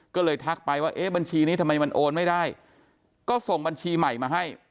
ก็เลยทักไปว่าเอ๊ะบัญชีนี้ทำไมมันโอนไม่ได้ก็ส่งบัญชีใหม่มาให้